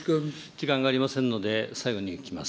時間がありませんので、最後に聞きます。